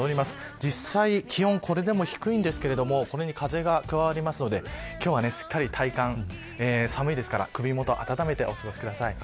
実際、気温はこれでも低いんですがこれに風が加わるので今日はしっかり寒いですから首元暖めてお過ごしください。